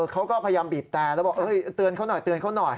เขาก็พยายามบีบแต่แล้วบอกเตือนเขาหน่อยเตือนเขาหน่อย